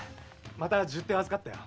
また十手を預かったよ。